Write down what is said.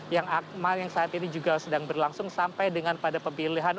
yang akmal yang saat ini juga sedang berlangsung sampai dengan pada pemilihan